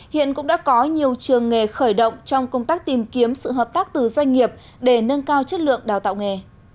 hiện cũng đã có nhiều trường nghề khởi động trong công tác tìm kiếm sự hợp tác từ doanh nghiệp để nâng cao chất lượng đào tạo nghề